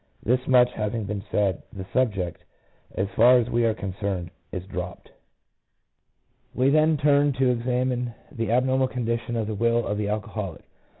This much having been said, the subject, as far as we are concerned, is dropped. We turn then to examine the abnormal condition of the will of the alcoholic.